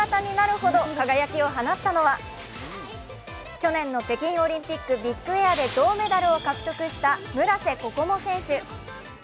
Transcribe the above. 去年の北京オリンピックビッグエアで銅メダルを獲得した村瀬心椛選手